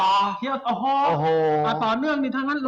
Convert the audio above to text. โอ้โหต่อเนื่องทั้งนั้น